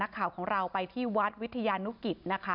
นักข่าวของเราไปที่วัดวิทยานุกิจ